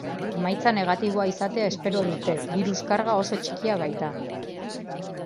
Emaitza negatiboa izatea espero dute, birus karga oso txikia baita.